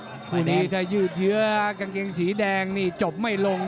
คู่นี้ถ้ายืดเยื้อกางเกงสีแดงนี่จบไม่ลง